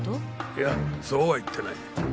いやそうは言ってない。